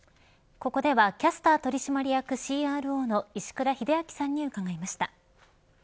ここではキャスター取締役ＣＲＯの石倉秀明さんに伺いました。